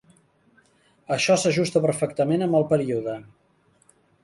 Això s'ajusta perfectament amb el període